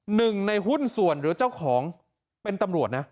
หนึ่งในหุ้นส่วนหรือเจ้าของเป็นตำรวจนะ